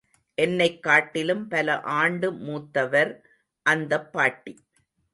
என்னைக் காட்டிலும் பல ஆண்டு மூத்தவர், அந்தப் பாட்டி.